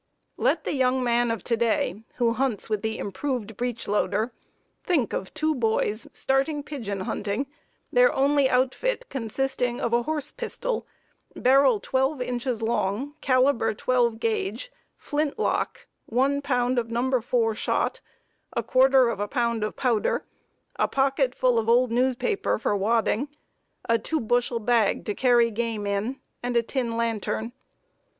Let the young man of to day, who hunts with the improved breechloader, think of two boys starting pigeon hunting, their only outfit consisting of a horse pistol, barrel twelve inches long, caliber 12 gauge, flintlock, one pound of No. 4 shot, a quarter of a pound of powder, a pocket full of old newspaper for wadding, a two bushel bag to carry game in, and a tin lantern.